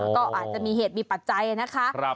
ก็อาจจะมีเหตุมีปัจจัยนะคะ